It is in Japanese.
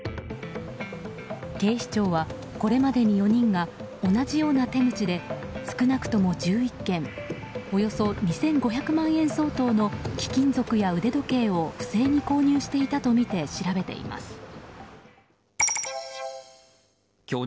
警視庁は、これまでに４人が同じような手口で少なくとも１１件およそ２５００万円相当の貴金属や腕時計を不正に購入していたとみて調べています。